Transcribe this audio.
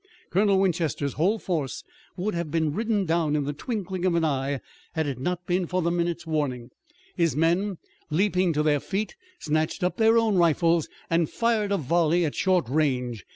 Colonel Winchester's whole force would have been ridden down in the twinkling of an eye if it had not been for the minute's warning. His men, leaping to their feet, snatched up their own rifles and fired a volley at short range.